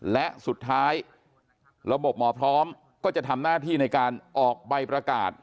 และสุดท้ายระบบหมอพร้อมก็จะทำหน้าที่ในการออกใบประกาศ